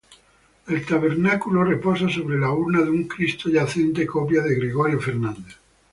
El tabernáculo reposa sobre la urna de un cristo yacente, copia de Gregorio Fernández.